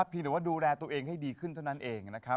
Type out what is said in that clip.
เพียงแต่ว่าดูแลตัวเองให้ดีขึ้นเท่านั้นเองนะครับ